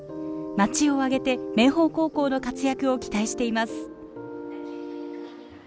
街を挙げて明豊高校の活躍を期待しています。